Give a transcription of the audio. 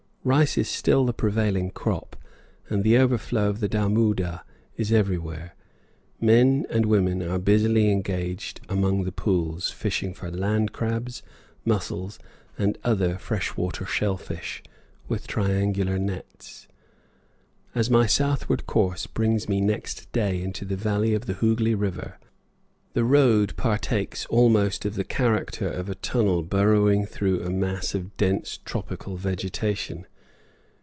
Rice is still the prevailing crop, and the overflow of the Dammoodah is everywhere. Men and women are busily engaged among the pools, fishing for land crabs, mussels, and other freshwater shell fish, with triangular nets. As my southward course brings me next day into the valley of the Hooghli River, the road partakes almost of the character of a tunnel burrowing through a mass of dense tropical vegetation.